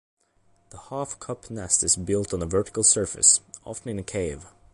The half-cup nest is built on a vertical surface, often in a cave.